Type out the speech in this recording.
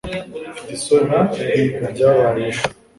mfite isoni kubyabaye ejo